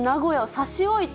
差し置いて。